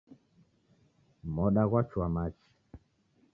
Moda ghwachua machi.